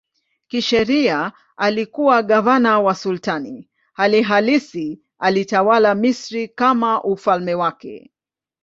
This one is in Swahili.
Kisheria alikuwa gavana wa sultani, hali halisi alitawala Misri kama ufalme wake.